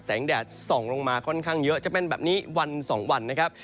แดดส่องลงมาค่อนข้างเยอะจะเป็นแบบนี้วันสองวันนะครับ